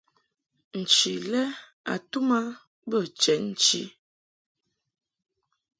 Nchi lɛ a tum a bə chenchi.